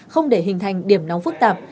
không để hình thành điểm nóng phức tạp